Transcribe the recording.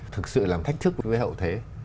thực sự làm thách thức với hậu thế